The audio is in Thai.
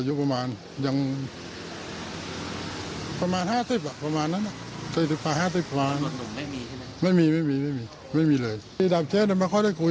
อยู่มานั่งคุยกันแป๊บนึงเขาก็มีภาระเขาก็ไปก่อนต่อ